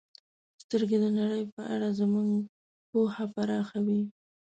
• سترګې د نړۍ په اړه زموږ پوهه پراخوي.